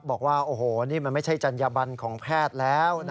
บอกว่าโอ้โหนี่มันไม่ใช่จัญญบันของแพทย์แล้ว